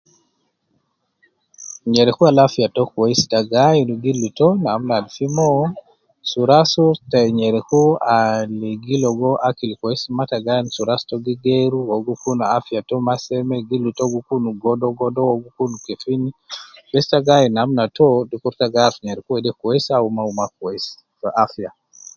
Nyereku al afiya to fi kweis ita gi ainu gildu tou namna al fi moo su ras te nyerku al gi ligo akil kweis maa te gain su ras tou gi geeru o gi kun afiya tou maa seme gildu tou gi kun godogodo o gi kun kefin bes te gainu namna tou te dukuru garufu nyereku wede kweis au uwo maa kweis fi afiya.